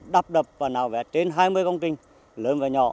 đắp đập và nào vẽ trên hai mươi công trình lớn và nhỏ